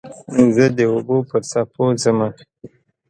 زه د اوبو پر څپو ځمه